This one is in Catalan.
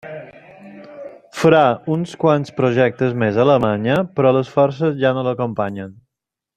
Farà uns quants projectes més a Alemanya, però les forces ja no l'acompanyen.